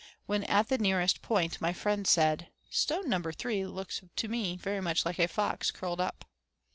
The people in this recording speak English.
When at the nearest point my friend said: "Stone number three looks to me very much like a fox curled up."